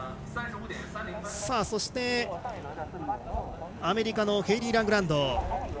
そして、アメリカのヘイリー・ラングランド。